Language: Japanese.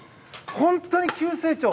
本当に急成長。